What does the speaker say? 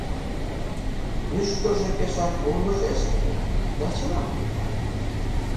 Мӱшкыржӧ пешак «урмыжеш» ыле, да чыла мондалте.